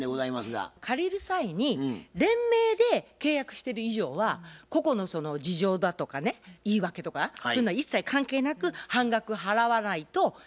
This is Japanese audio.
借りる際に連名で契約してる以上は個々のその事情だとかね言い訳とかそういうのは一切関係なく半額払わないといけないと思います。